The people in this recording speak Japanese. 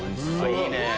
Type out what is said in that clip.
いいね！